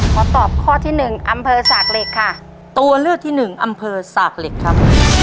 ขอตอบข้อที่หนึ่งอำเภอสากเหล็กค่ะตัวเลือกที่หนึ่งอำเภอสากเหล็กครับ